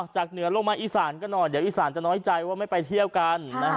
จากเหนือลงมาอีสานก็หน่อยเดี๋ยวอีสานจะน้อยใจว่าไม่ไปเที่ยวกัน